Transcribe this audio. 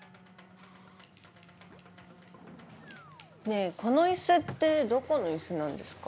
ねぇこのイスってどこのイスなんですか？